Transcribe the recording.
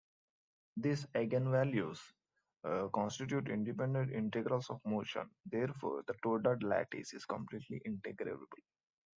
These eigenvalues constitute independent integrals of motion, therefore the Toda lattice is completely integrable.